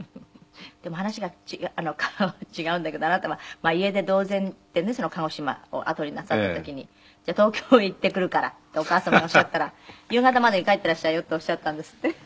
でも話が違うんだけどあなたは家出同然でね鹿児島をあとになさった時に「じゃあ東京へ行ってくるから」ってお母様におっしゃったら「夕方までに帰っていらっしゃいよ」っておっしゃったんですって？